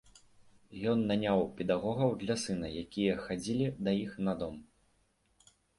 Ён наняў педагогаў для сына, якія хадзілі да іх на дом.